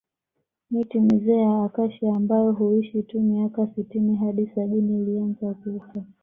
Miti mizee ya Acacia ambayo huishi tu miaka sitini hadi sabini ilianza kufa